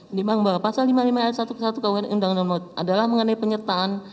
menimbang bahwa pasal lima ayat satu kuh adalah mengenai penyertaan